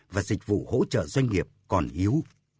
và dịch vụ hỗ trợ doanh nghiệp còn yếu